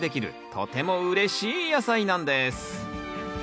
とてもうれしい野菜なんです